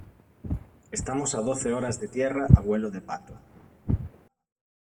estamos a doce horas de tierra a vuelo de pato.